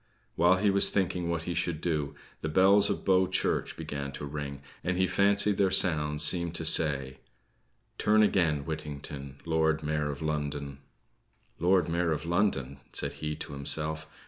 While he was thinking what he should do, the bells of Bow Church began to ring, and he fancied their sounds seemed to say: "Turn again, Whittington, Lord Mayor of London." "Lord Mayor of London!" said he to himself.